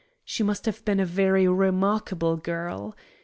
She must have been a very remarkable girl.